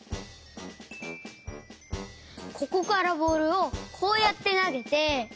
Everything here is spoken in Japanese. ここからボールをこうやってなげて。